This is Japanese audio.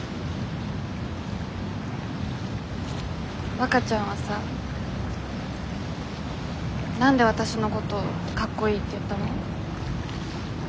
わかちゃんはさ何でわたしのこと「かっこいい」って言ったの？